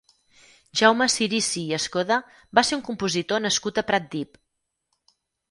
Jaume Sirisi i Escoda va ser un compositor nascut a Pratdip.